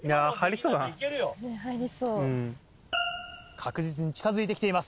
確実に近づいてきています